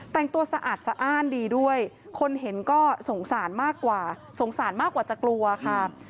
แต่งตัวสะอาดสะอ้านดีด้วยคนเห็นก็สงสารมากกว่าสงสารมากกว่าจะกลัวค่ะ